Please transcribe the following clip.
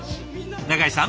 永井さん